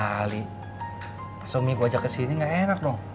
ya kali pas umi gue ajak kesini gak enak dong